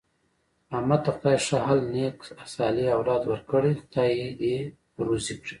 احمد ته خدای ښه حل نېک صالح اولاد ورکړی، خدای یې دې روزي کړي.